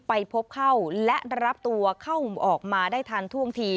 ไปพบเข้าและรับตัวเข้าออกมาได้ทันท่วงที